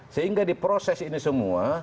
sehingga di proses ini semua